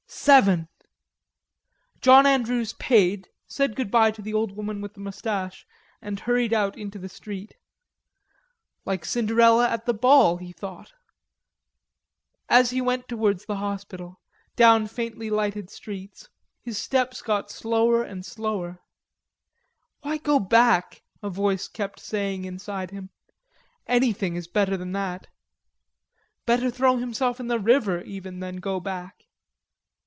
"Seven!" John Andrews paid, said good bye to the old woman with the mustache, and hurried out into the street. "Like Cinderella at the ball," he thought. As he went towards the hospital, down faintly lighted streets, his steps got slower and slower. "Why go back?" a voice kept saying inside him. "Anything is better than that." Better throw himself in the river, even, than go back.